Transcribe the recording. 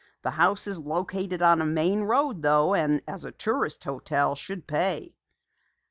"The house is located on a main road though, and as a tourist hotel, should pay."